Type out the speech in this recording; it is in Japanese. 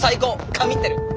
神ってる！